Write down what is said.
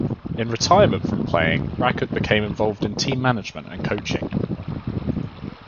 In retirement from playing Rackard became involved in team management and coaching.